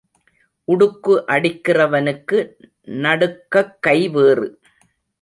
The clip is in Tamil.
உடுக்கு அடிக்கிறவனுக்கு நடுக்கக் கை வேறு.